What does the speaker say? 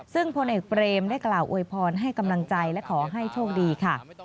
ซึ่งพลเอกเบรมได้กล่าวอวยพรให้กำลังใจและขอให้โชคดีค่ะ